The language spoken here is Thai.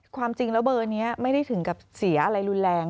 ความจริงแล้วเบอร์นี้ไม่ได้ถึงกับเสียอะไรรุนแรง